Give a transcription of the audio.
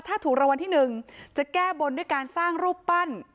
ถ้าถูกรางวัลที่๑จะแก้บนด้วยการสร้างรูปปั้น